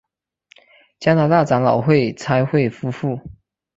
加拿大长老会差会夫妇。